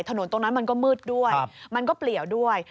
ถนนตรงนั้นมันก็มืดด้วยมันก็เปลี่ยวด้วย